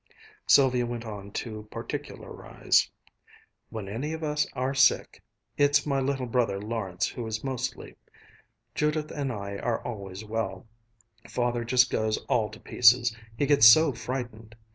Sylvia went on to particularize. "When any of us are sick it's my little brother Lawrence who is mostly Judith and I are always well Father just goes all to pieces, he gets so frightened.